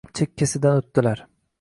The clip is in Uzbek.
Chekkasidan o’tdilar